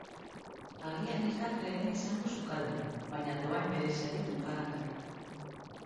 Agian ez da trebeena izango sukaldean, baina dohain bereziak ditu parrandarako.